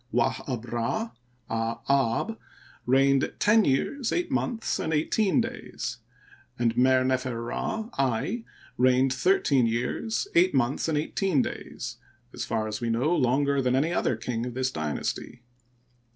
Ouah ab Rd, Ad ab, reigned ten years, eight months, and eighteen days ; and Mer nefer Rd, At, reigned thirteen years, eight months, and eighteen days — as far as we know, longer than any other king of this dynasty.